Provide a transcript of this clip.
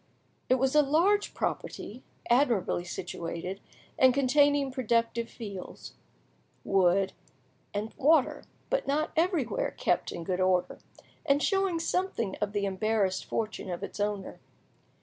It was a large property, admirably situated, and containing productive fields, wood, and water; but not everywhere kept in good order, and showing something of the embarrassed fortune of its owner.